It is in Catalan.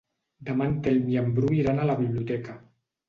Demà en Telm i en Bru iran a la biblioteca.